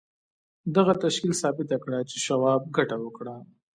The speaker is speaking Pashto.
دغه تشکیل ثابته کړه چې شواب ګټه وکړه